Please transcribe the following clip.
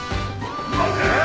待て！